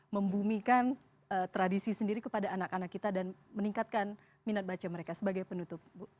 membumikan tradisi sendiri kepada anak anak kita dan meningkatkan minat baca mereka sebagai penutup